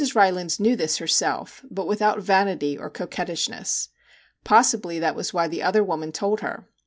Rylands knew this herself, but without vanity or coquettishness. Possibly that was why the other woman told her.